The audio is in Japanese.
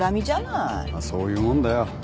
まっそういうもんだよ。